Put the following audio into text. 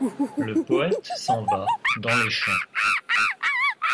Le poëte s’en va dans les champs... »